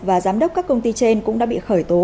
và giám đốc các công ty trên cũng đã bị khởi tố